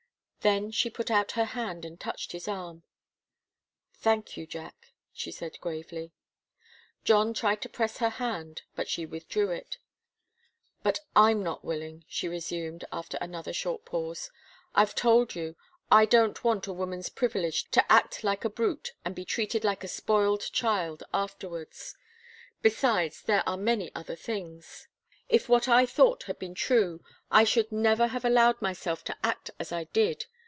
Then she put out her hand and touched his arm. "Thank you, Jack," she said gravely. John tried to press her hand, but she withdrew it. "But I'm not willing," she resumed, after another short pause. "I've told you I don't want a woman's privilege to act like a brute and be treated like a spoiled child afterwards. Besides, there are many other things. If what I thought had been true, I should never have allowed myself to act as I did.